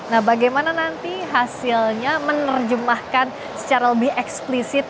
nah bagaimana nanti hasilnya menerjemahkan secara lebih eksplisit